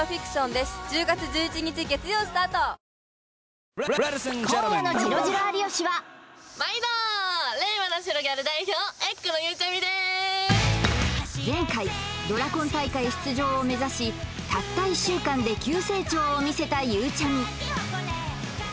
でーす前回ドラコン大会出場を目指したった１週間で急成長を見せたゆうちゃみ